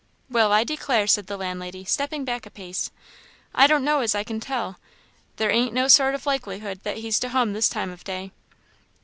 "Well, I declare," said the landlady, stepping back a pace, "I don't know as I can tell there ain't no sort o' likelihood that he's to hum this time o' day.